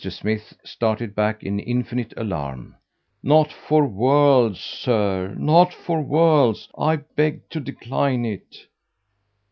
Smith started back in infinite alarm 'Not for worlds, Sir, not for worlds; I beg to decline it.'